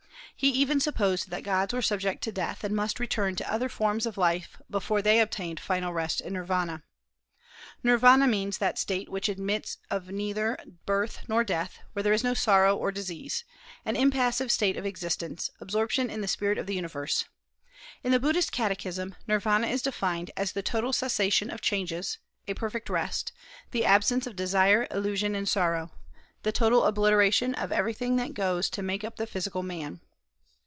He even supposed that gods were subject to death, and must return to other forms of life before they obtained final rest in Nirvana. Nirvana means that state which admits of neither birth nor death, where there is no sorrow or disease, an impassive state of existence, absorption in the Spirit of the Universe. In the Buddhist catechism Nirvana is defined as the "total cessation of changes; a perfect rest; the absence of desire, illusion, and sorrow; the total obliteration of everything that goes to make up the physical man."